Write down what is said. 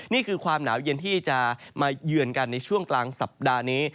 นี่คือความหนาวเย็นที่จะมาเยือนกันในช่วงกลางสัปดาห์นี้